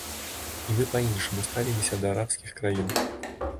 І мы па-іншаму ставімся да арабскіх краін.